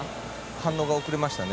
反応が遅れましたね。